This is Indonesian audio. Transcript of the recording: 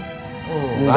film yang terkenal itu